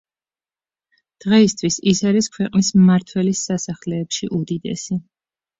დღეისთვის ის არის ქვეყნის მმართველის სასახლეებში უდიდესი.